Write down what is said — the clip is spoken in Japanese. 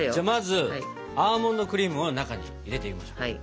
まずアーモンドクリームを中に入れていきましょう。